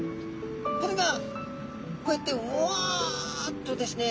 これがこうやってワッとですね